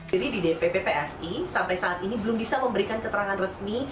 jadi di dpp psi sampai saat ini belum bisa memberikan keterangan resmi